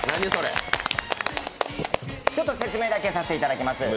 ちょっと説明だけさせていただきます。